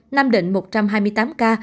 nam định một trăm hai mươi tám ca